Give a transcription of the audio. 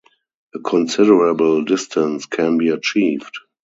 A considerable distance can be achieved.